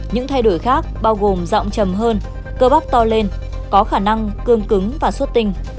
những thay đổi khác bao gồm rộng chầm hơn cơ bắp to lên có khả năng cương cứng và suốt tinh